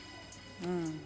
うん。